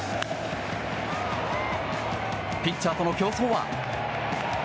ピッチャーとの競争は。